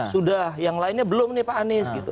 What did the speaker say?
sudah yang lainnya belum nih pak anies gitu